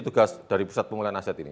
tugas dari pusat pemulihan aset ini